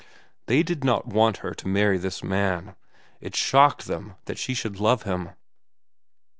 They did not want her to marry this man. It shocked them that she should love him.